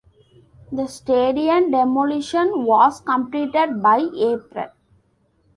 The stadium demolition was completed by April.